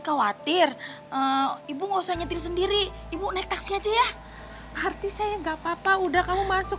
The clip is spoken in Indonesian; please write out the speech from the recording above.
khawatir ibu nggak usah nyetir sendiri ibu naik taxi aja ya artisnya enggak papa udah kamu masuk